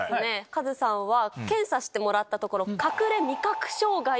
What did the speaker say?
カズさんは検査してもらったところ。